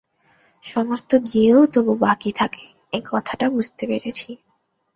সমস্ত গিয়েও তবু বাকি থাকে এই কথাটা বুঝতে পেরেছি।